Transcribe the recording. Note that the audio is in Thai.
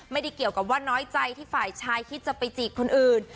ไม่ได้เกี่ยวกับว่าน้อยใจที่ฝ่ายชายคิดจะไปจีบคนอื่น